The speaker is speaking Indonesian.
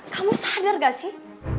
kamu sadar gak sih